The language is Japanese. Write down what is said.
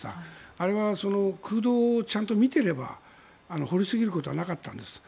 あれは空洞をちゃんと見ていれば掘りすぎることはなかったんです。